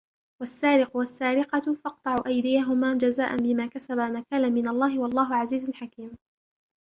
وَالسَّارِقُ وَالسَّارِقَةُ فَاقْطَعُوا أَيْدِيَهُمَا جَزَاءً بِمَا كَسَبَا نَكَالًا مِنَ اللَّهِ وَاللَّهُ عَزِيزٌ حَكِيمٌ